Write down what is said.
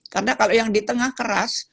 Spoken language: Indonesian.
karena kalau yang di tengah keras